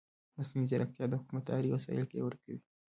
مصنوعي ځیرکتیا د حکومتدارۍ وسایل پیاوړي کوي.